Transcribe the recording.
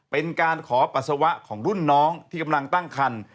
เป็นการขอปัสสาวะของรุ่นน้องที่กำลังตั้งคัน